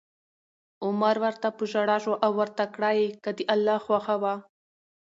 عمر ورته په ژړا شو او ورته کړه یې: که د الله خوښه وه